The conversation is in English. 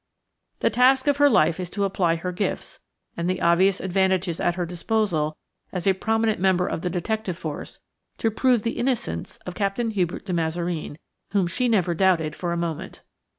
The task of her life is to apply her gifts, and the obvious advantages at her disposal as a prominent member of the detective force, to prove the innocence of Captain Hubert de Mazareen, which she never doubted for a moment.